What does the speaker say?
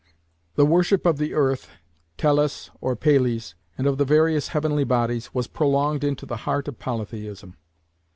The worship of the earth (Tellus or Pales) and of the various heavenly bodies, was prolonged into the heart of Polytheism.